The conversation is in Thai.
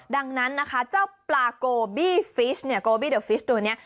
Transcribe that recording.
ดังนั้นนะคะเจ้าปลาโกบี้ฟิชเนี่ยโกบี้เดอร์ฟิสตัวนี้